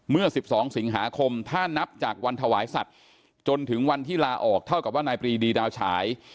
เมื่อ๑๒สิงหาคมถ้านับจากวันถวายสัตว์จนถึงวันที่ลาออกเท่ากับว่านายปรีดีดาวฉาย